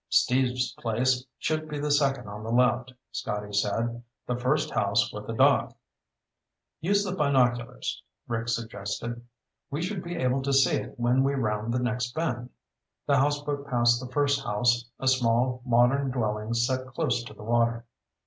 "Steve's place should be the second on the left," Scotty said. "The first house with a dock." "Use the binoculars," Rick suggested. "We should be able to see it when we round the next bend." The houseboat passed the first house, a small, modern dwelling set close to the water.